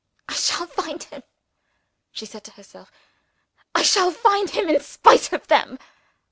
"I shall find him," she said to herself; "I shall find him in spite of them!"